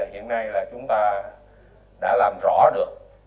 hiện nay là chúng ta đã làm rõ được